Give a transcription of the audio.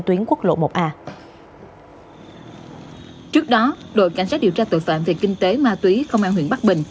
tuyến quốc lộ một a trước đó đội cảnh sát điều tra tội phạm về kinh tế ma túy công an huyện bắc bình